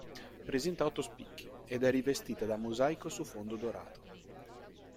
Presenta otto spicchi ed è rivestita da mosaico su fondo dorato.